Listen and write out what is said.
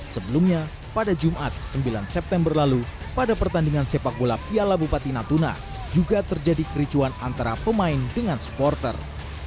sebelumnya pada jumat sembilan september lalu pada pertandingan sepak bola piala bupati natuna juga terjadi kericuan antara pemain dengan supporter